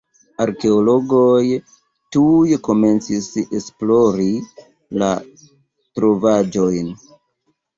Arkeologoj tuj komencis esplori la trovaĵojn.